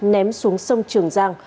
ném xuống sông trường giang